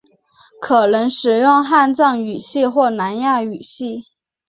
可能使用汉藏语系或南亚语系。